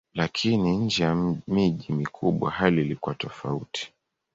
Lakini nje ya miji mikubwa hali ilikuwa tofauti.